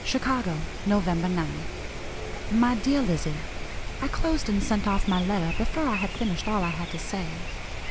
"CHICAGO, NOV. 9. "MY DEAR LIZZIE: I closed and sent off my letter before I had finished all I had to say.